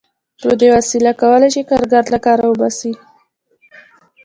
په دې وسیله کولای شي کارګر له کاره وباسي